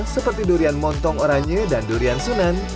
seperti durian montong oranye dan durian sunan